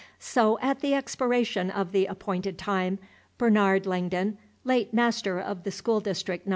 So, at the expiration of the appointed time, Bernard Langdon, late master of the School District No.